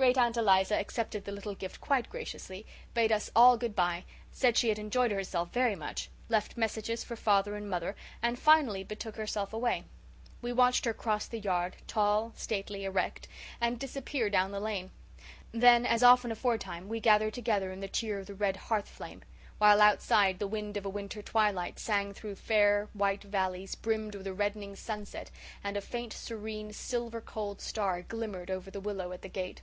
Great aunt Eliza accepted the little gift quite graciously, bade us all good bye, said she had enjoyed herself very much, left messages for father and mother, and finally betook herself away. We watched her cross the yard, tall, stately, erect, and disappear down the lane. Then, as often aforetime, we gathered together in the cheer of the red hearth flame, while outside the wind of a winter twilight sang through fair white valleys brimmed with a reddening sunset, and a faint, serene, silver cold star glimmered over the willow at the gate.